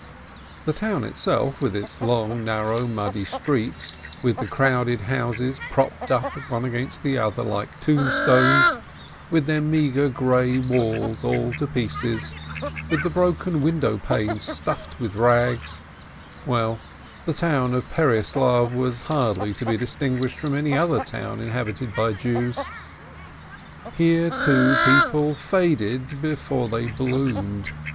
The town itself, with its long, narrow, muddy streets, with the crowded houses propped up one against the other like tombstones, with their meagre grey walls all to pieces, with the broken window panes stuffed with rags — well, the town of Pereyaslav was hardly to be distinguished from any other town inhabited by Jews. Here, too, people faded before they bloomed.